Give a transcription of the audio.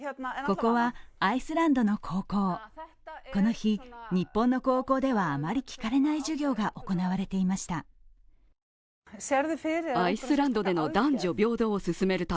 この日、日本の高校ではあまり聞かれない授業が行われていました。